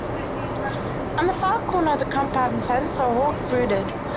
On the far corner of the compound fence a hawk brooded.